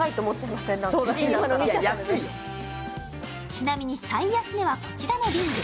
ちなみに最安値は、こちらのリング。